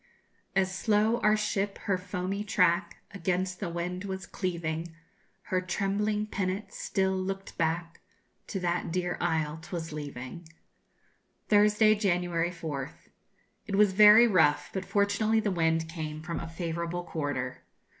As slow our ship her foamy track Against the wind was cleaving, Her trembling pennant still look'd back To that dear isle 'twas leaving. Thursday, January 4th. It was very rough, but fortunately the wind came from a favourable quarter.